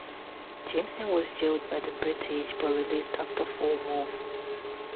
Jameson was jailed by the British but released after four months.